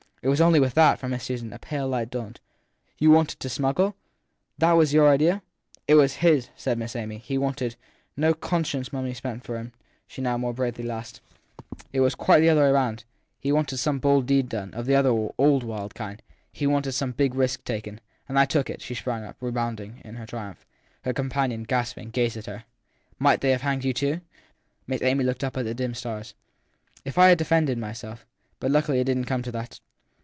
It was only with this that, for Miss Susan, a pale light dawned. < You wanted to smuggle ? That was your idea ? It was MsJ said Miss Amy. He wanted no " conscience money " spent for him, she now more bravely laughed ;( it was quite the other way about he wanted some bold deed done, of the old wild kind ; he wanted some big risk taken. And I took it. She sprang up, rebounding, in her triumph. Her companion, gasping, gazed at her. Might they have hanged you too ? Miss Amy looked up at the dim stars. If I had defended myself. But luckily it didn t come to that.